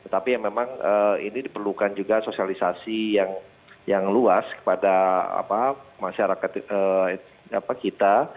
tapi memang ini diperlukan juga sosialisasi yang luas kepada masyarakat kita